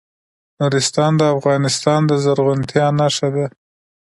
نورستان د افغانستان د زرغونتیا نښه ده.